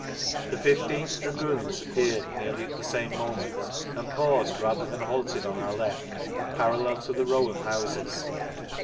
The Fifteenth Dragoons appeared nearly atthte same moment, and paused rather than hailed on our left, parallel to the row of houses.